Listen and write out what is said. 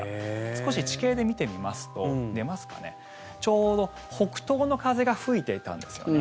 少し地形で見てみますとちょうど北東の風が吹いていたんですよね。